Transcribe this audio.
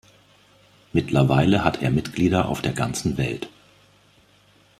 Mittlerweile hat er Mitglieder auf der ganzen Welt.